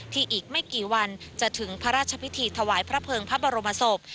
อีกไม่กี่วันจะถึงพระราชพิธีถวายพระเภิงพระบรมศพ